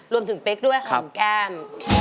รวมถึงเป๊กด้วยความแก้ม